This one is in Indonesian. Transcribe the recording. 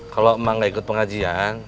kalo emak gak ikut pengajian